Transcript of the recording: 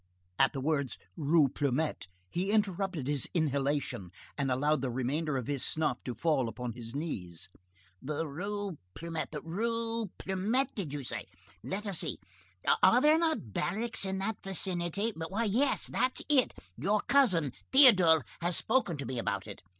At the words "Rue Plumet" he interrupted his inhalation and allowed the remainder of his snuff to fall upon his knees. "The Rue Plumet, the Rue Plumet, did you say?—Let us see!—Are there not barracks in that vicinity?—Why, yes, that's it. Your cousin Théodule has spoken to me about it.